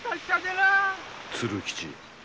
鶴吉。